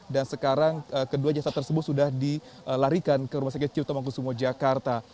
dan sekarang kedua jasa tersebut sudah dilarikan ke rumah sakit ciotamangkusumo jakarta